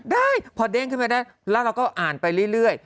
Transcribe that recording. ได้พอเด้งขึ้นมาได้แล้วเราก็อ่านไปเรื่อย